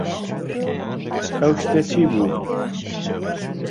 ئەو شتە چی بوو؟